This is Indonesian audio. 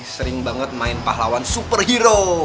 sering banget main pahlawan superhero